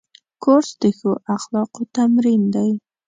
کورس د ښو اخلاقو تمرین دی.